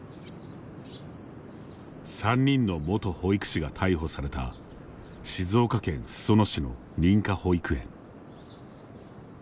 ３人の元保育士が逮捕された静岡県裾野市の認可保育園。